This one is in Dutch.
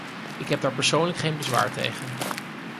Ik heb daar persoonlijk geen bezwaar tegen.